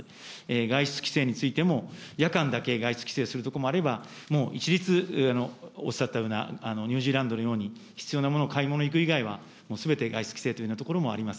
外出規制についても、夜間だけ外出規制する所もあれば、もう一律おっしゃったようなニュージーランドのように、必要なものを買い物に行く以外はもうすべて外出規制というような所もあります。